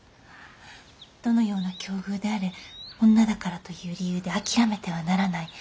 「どのような境遇であれ女だからという理由で諦めてはならない。